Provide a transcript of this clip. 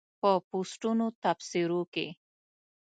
په پوسټونو تبصرو کې